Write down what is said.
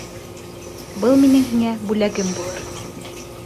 Был минең һиңә бүлләгем булыр.